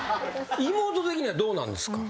妹的にはどうなんですか？